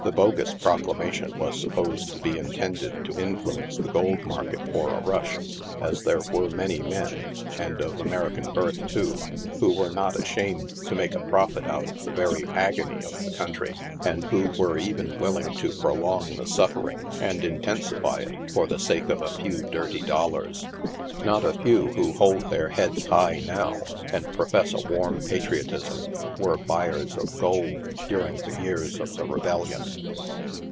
The bogus pro clamation was supposed to be intended to influence the gold mar ket for a rush, as there were many men, and of American birth, too, who were not ashamed to make a profit out of the very agony of the country, and who were even willing to prolong the suffering and intensify it, for the sake of a few dirty dollars. Not a few who hold their heads high now, and profess a warm patriotism, were buyers of gold during the years of the Rebellion.